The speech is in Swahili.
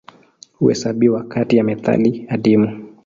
Huhesabiwa kati ya metali adimu.